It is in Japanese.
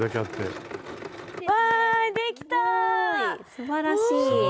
すばらしい。